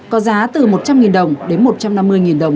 có giá từ một trăm linh đồng đến một trăm năm mươi đồng